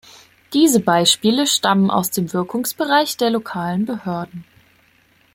Diese Beispiele stammen aus dem Wirkungsbereich der lokalen Behörden.